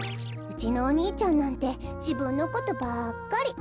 うちのお兄ちゃんなんてじぶんのことばっかり。